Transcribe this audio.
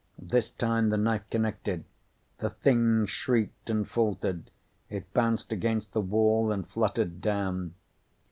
This time the knife connected. The thing shrieked and faltered. It bounced against the wall and fluttered down.